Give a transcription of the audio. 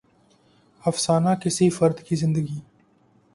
افسانہ کسی فرد کے زندگی